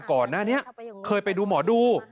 ก่อนหน้านี้เคยไปดูหมอดู